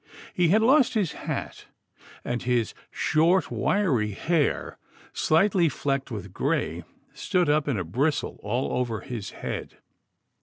He had lost his hat, and his short wiry hair, slightly flecked with grey, stood up in a bristle all over his head.